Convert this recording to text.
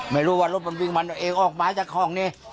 ไม่รู้ว่ารถมันวิ่งมันเอาเองออกมาจากห้องนี้